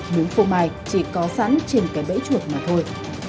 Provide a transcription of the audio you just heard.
miếng phô mai chỉ có sẵn trên cái bẫy chuộc mà thôi